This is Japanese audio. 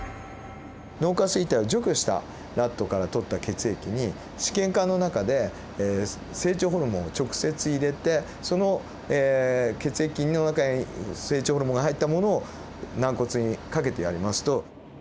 脳下垂体を除去したラットから採った血液に試験管の中で成長ホルモンを直接入れてその血液の中に成長ホルモンが入ったものを軟骨にかけてやりますと。